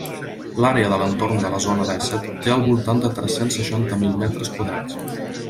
L'àrea de l'entorn de la Zona dèsset té al voltant de tres-cents seixanta mil metres quadrats.